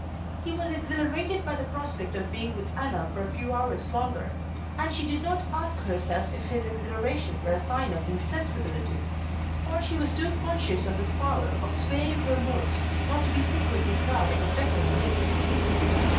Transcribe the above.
He was exhilarated by the prospect of being with Anna for a few hours longer, and she did not ask herself if his exhilaration were a sign of insensibility, for she was too conscious of his power of swaying her moods not to be secretly proud of affecting his.